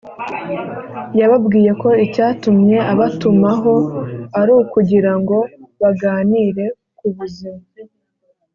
yababwiye ko icyatumye abatumaho ari ukugira ngo baganire ku buzima